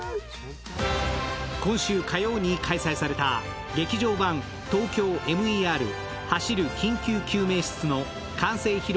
今週火曜に開催された「劇場版ＴＯＫＹＯＭＥＲ走る緊急救命室」の完成披露